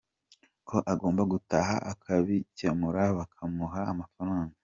Ko agomba gutaha akabikemura bakamuha amafaranga.”